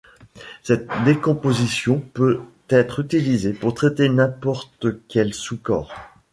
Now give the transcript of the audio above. Cette décomposition peut être utilisée pour traiter n'importe quel sous-corps.